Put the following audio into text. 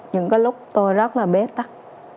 những cái lúc tôi rất là bế tắc